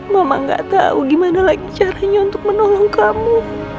mama gak tahu gimana lagi caranya untuk menolong kamu